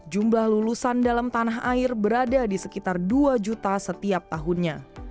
jumlah lulusan dalam tanah air berada di sekitar dua juta setiap tahunnya